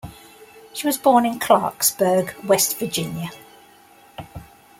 She was born in Clarksburg, West Virginia.